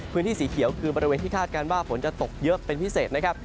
พื้นที่สีเขียวคือบริเวณที่คาดการณ์ว่าฝนจะตกเยอะเป็นพิเศษนะครับ